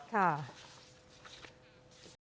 ค่ะ